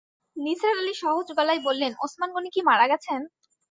নিসার আলি সহজ গলায় বললেন, ওসমান গনি কি মারা গেছেন?